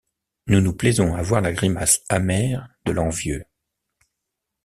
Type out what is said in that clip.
Nous nous plaisons à voir la grimace amère de l’Envieux.